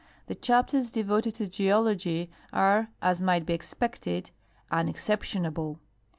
The chapters devoted to geology are, as might be e.xpected, unexceiJtionable.